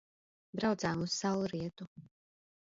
Braucām uz saulrietu.